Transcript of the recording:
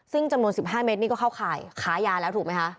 ซึ่งจำนวน๑๕เมตรนี่ก็เข้าข่ายค้ายาแล้วถูกไหมคะ